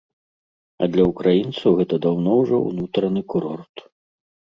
А для ўкраінцаў гэта даўно ўжо ўнутраны курорт.